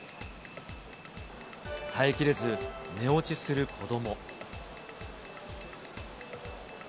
耐えきれず、寝落ちする子ども。